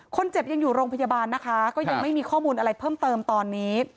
คนเจ็บยังอยู่โรงพยาบาลนะคะก็ยังไม่มีข้อมูลอะไรเพิ่มเติมตอนนี้